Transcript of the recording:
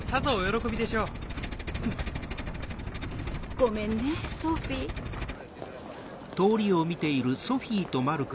ごめんねソフィー。